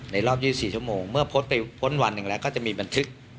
รอบ๒๔ชั่วโมงเมื่อพ้นไปพ้นวันหนึ่งแล้วก็จะมีบันทึก